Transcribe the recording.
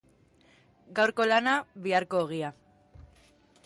Gaurko lana, biharko ogia.